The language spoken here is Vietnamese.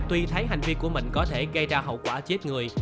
tuy thấy hành vi của mình có thể gây ra hậu quả chết người